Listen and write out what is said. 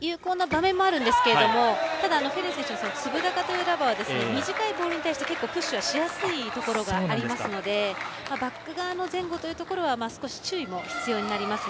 有効な場面もあるんですがただ、フェルネ選手粒高というラバーですので短いボールに対して結構プッシュはしやすいところがありますのでバック側の前後というところは少し注意も必要になります。